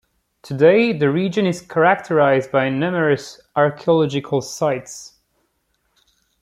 Today the region is characterized by numerous archaeological sites.